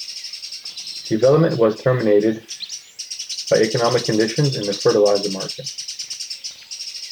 Development was terminated by economic conditions in the fertilizer market.